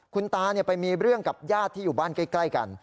คุณตาไปมีเรื่องกับญาติที่อยู่บ้านใกล้กัน